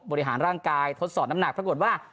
บริหารร่างกายทดสอบน้ำหนักปรากฏว่า